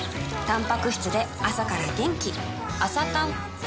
たんぱく質で朝から元気